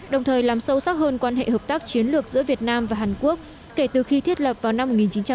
đồng thời làm sâu sắc hơn quan hệ hợp tác chiến lược giữa việt nam và hàn quốc kể từ khi thiết lập vào năm một nghìn chín trăm tám mươi hai